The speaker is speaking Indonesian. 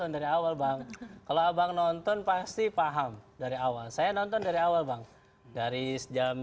dari awal bang kalau abang nonton pasti paham dari awal saya nonton dari awal bang dari sejam